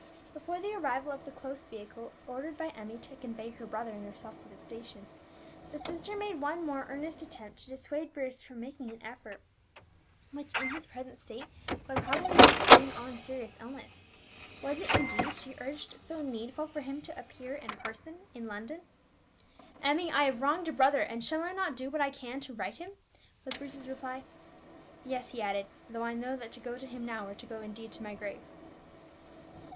'" Before the arrival of the close vehicle ordered by Emmie to convey her brother and herself to the station, the sister made one more earnest attempt to dissuade Bruce from making an effort which, in his present state, would probably bring on serious illness. Was it indeed, she urged, so needful for him to appear in person in London? "Emmie, I have wronged a brother, and shall I not do what I can to right him?" was Bruce's reply. "Yes," he added, "though I knew that to go to him now were to go indeed to my grave."